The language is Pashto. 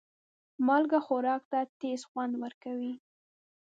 مالګه خوراک ته تیز خوند ورکوي.